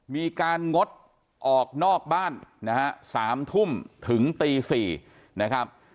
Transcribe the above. มีการงดออกนอกบ้านนะฮะ๓ทุ่มถึงตี๔นะครับ